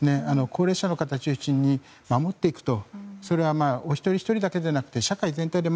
高齢者の方を中心に守っていくことお一人おひとりだけじゃなくて社会全体で